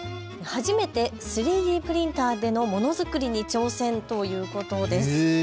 初めて３Ｄプリンターでのものづくりに挑戦ということです。